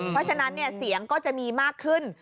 เพราะฉะนั้นเสียงก็จะมีมากขึ้น